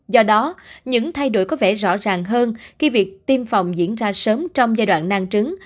do đó những thay đổi có vẻ rõ ràng hơn khi việc tiêm phòng diễn ra sớm trong giai đoạn nang trứng